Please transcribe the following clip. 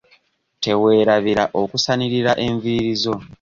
Teweerabira okusanirira enviiri zo.